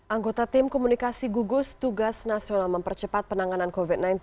anggota tim komunikasi gugus tugas nasional mempercepat penanganan covid sembilan belas